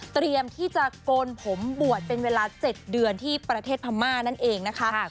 เตรียมที่จะโกนผมบวชเป็นเวลา๗เดือนที่ประเทศพม่านั่นเองนะคะ